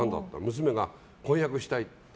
娘が婚約したいって。